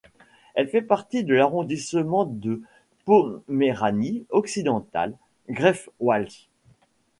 Elle fait partie de l'arrondissement de Poméranie-Occidentale-Greifswald.